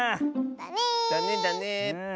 だねだね！